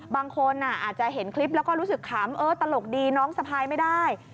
บางคนอาจจะเห็นคลิปแล้วก็รู้สึกขำเออตลกดีน้องสะพายไม่ได้